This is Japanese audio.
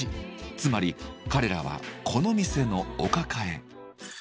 つまり彼らはこの店のお抱え。